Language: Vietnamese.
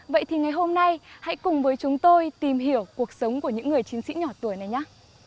vậy thì ngày hôm nay hãy cùng với chúng tôi tìm hiểu cuộc sống của những người chiến sĩ nhỏ tuổi này nhé